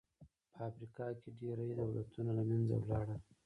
په افریقا کې ډېری دولتونه له منځه لاړل.